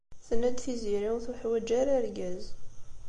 Tenna-d Tiziri ur tuḥwaǧ ara argaz.